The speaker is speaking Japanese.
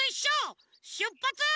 しゅっぱつ。